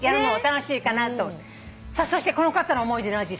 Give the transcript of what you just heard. そしてこの方の思い出の味